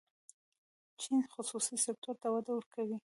چین خصوصي سکتور ته وده ورکوي.